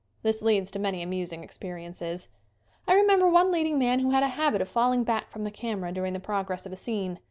This leads to many amusing experiences. I remember one leading man who had a habit of falling back from the camera during the progress of a scene.